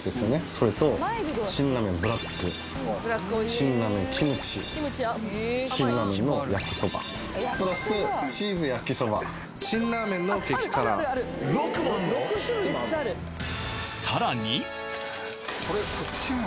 それと辛ラーメンのブラック辛ラーメンのキムチ辛ラーメンの焼きそばプラスチーズ焼きそば辛ラーメンの激辛６もあるの？